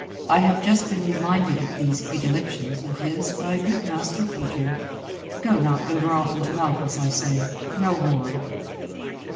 I have just been reminded of these predilections of his by good Master Peter. Go not over often to Malpas, I say. No more."